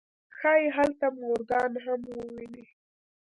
ښايي هلته مورګان هم وويني.